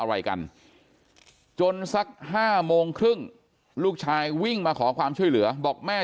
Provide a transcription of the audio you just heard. อะไรกันจนสัก๕โมงครึ่งลูกชายวิ่งมาขอความช่วยเหลือบอกแม่